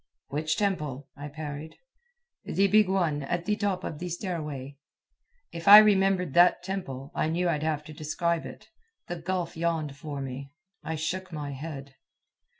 "Which temple?" I parried. "The big one, at the top of the stairway." If I remembered that temple, I knew I'd have to describe it. The gulf yawned for me. I shook my head.